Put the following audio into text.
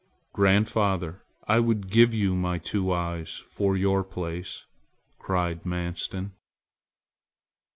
"Grandfather, I would give you my two eyes for your place!" cried Manstin.